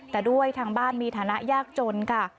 แต่ด้วยทางบ้านมีฐานะยากจนค่ะ